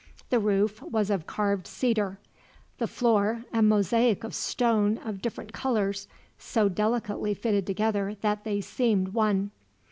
The roof was of carved cedar, the floor a mosaic of stone of different colors, so delicately fitted together that they seemed one.